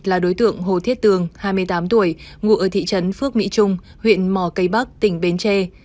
là đối tượng hồ thiết tường hai mươi tám tuổi ngụ ở thị trấn phước mỹ trung huyện mỏ cây bắc tỉnh bến tre